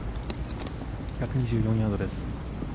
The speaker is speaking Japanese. １２４ヤードです。